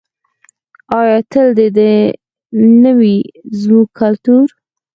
آیا تل دې نه وي زموږ کلتور؟